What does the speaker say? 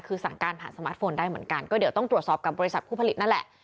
คือสั่งการผ่านสมาร์ทโฟนได้เหมือนกันก็เดี๋ยวต้องตรวจสอบกับบริษัทผู้ผลิตนั่นแหละ